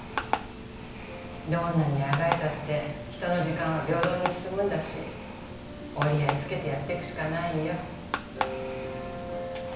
どんなにあがいたって人の時間は平等に進むんだし折り合いつけてやってくしかないよ。